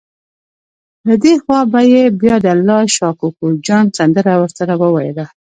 له دې خوا به یې بیا د الله شا کوکو جان سندره ورسره وویله.